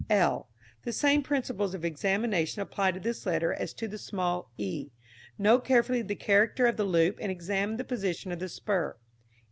l. The same principles of examination apply to this letter as to the small e. Note carefully the character of the loop and examine the position of the spur.